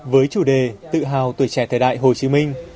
với chủ đề tự hào tuổi trẻ thời đại hồ chí minh